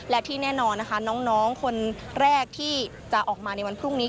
และที่แน่นอนนะคะน้องคนแรกที่จะออกมาในวันพรุ่งนี้